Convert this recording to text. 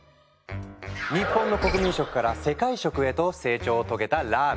日本の国民食から世界食へと成長を遂げたラーメン。